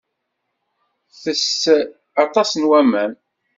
Tess aṭas n waman.